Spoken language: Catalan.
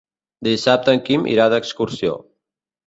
Dissabte en Quim irà d'excursió.